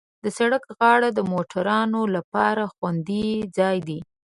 د سړک غاړه د موټروانو لپاره خوندي ځای دی.